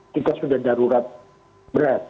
kita sudah darurat beras